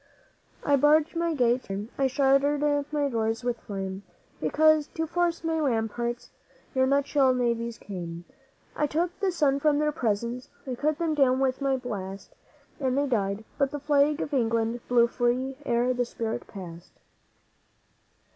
'I barred my gates with iron, I shuttered my doors with flame, Because to force my ramparts your nutshell navies came; I took the sun from their presence, I cut them down with my blast, And they died, but the Flag of England blew free ere the spirit passed.